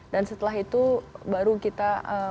dan setelah itu baru kita